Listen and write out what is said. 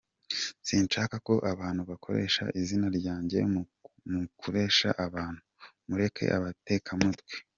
Sinshaka ko abantu bakoresha izina ryanjye mu kuresha abantu, mureke abatekamutwe.